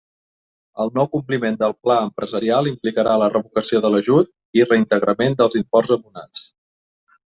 El no-compliment del pla empresarial implicarà la revocació de l'ajut i reintegrament dels imports abonats.